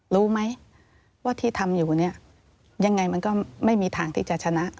รู้ไหมว่าที่ทำอยู่เนี่ยยังไงมันก็ไม่มีทางที่จะชนะ